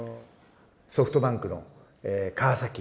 ソフトバンクの川。